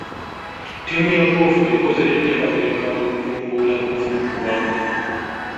Ttiimu ya goofu ekoze enteekateeka okutumbula goofu mu ggwanga.